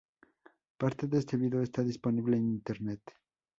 Parte de este vídeo está disponible en internet.